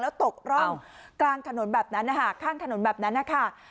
แล้วตกร่องอ้าวกลางขนวนแบบนั้นข้างขนวนแบบนั้นนะครับ